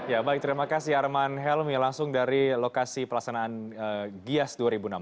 ya baik terima kasih arman helmi langsung dari lokasi pelaksanaan gias dua ribu enam belas